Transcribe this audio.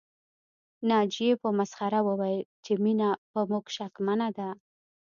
ناجيې په مسخره وويل چې مينه په موږ شکمنه ده